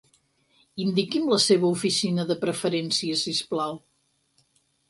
Indiqui'm la seva oficina de preferència, si us plau.